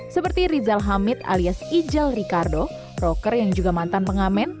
seperti rizal hamid alias ijal ricardo roker yang juga mantan pengamen